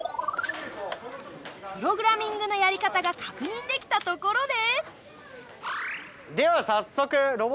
プログラミングのやり方が確認できたところで。